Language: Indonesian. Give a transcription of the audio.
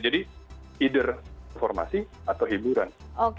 jadi either informasi atau hiburan